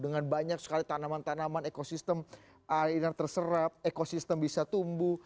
dengan banyak sekali tanaman tanaman ekosistem air yang terserap ekosistem bisa tumbuh